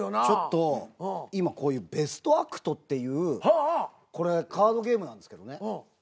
ちょっと今こういう「ＢＥＳＴＡＣＴ」っていうこれカードゲームなんですけどね。